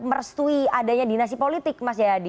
merestui adanya dinasti politik mas jayadi